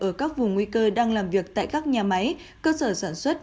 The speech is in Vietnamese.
ở các vùng nguy cơ đang làm việc tại các nhà máy cơ sở sản xuất